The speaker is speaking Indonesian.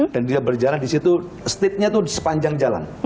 dan dia berjalan disitu stepnya itu sepanjang jalan